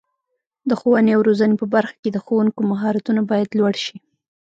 د ښوونې او روزنې په برخه کې د ښوونکو مهارتونه باید لوړ شي.